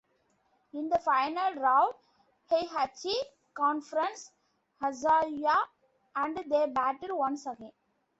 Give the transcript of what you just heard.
In the final round, Heihachi confronts Kazuya and they battle once again.